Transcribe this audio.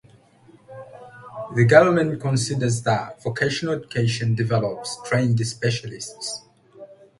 The government considers that vocational education develops trained specialists.